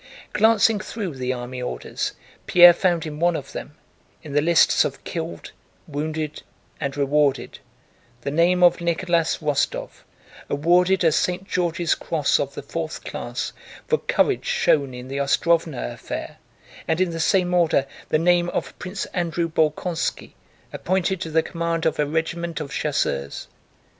Glancing through the army orders, Pierre found in one of them, in the lists of killed, wounded, and rewarded, the name of Nicholas Rostóv, awarded a St. George's Cross of the Fourth Class for courage shown in the Ostróvna affair, and in the same order the name of Prince Andrew Bolkónski, appointed to the command of a regiment of Chasseurs.